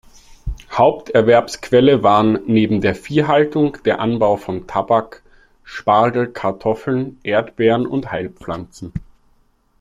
Haupterwerbsquelle waren neben der Viehhaltung der Anbau von Tabak, Spargel, Kartoffeln, Erdbeeren und Heilpflanzen.